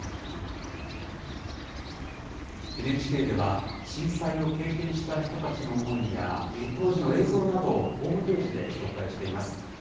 ＮＨＫでは、震災を経験した人たちの思いや当時の映像などをホームページで紹介しています。